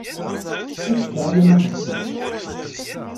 Ad ak-fkeɣ aya ma teɣsed-t.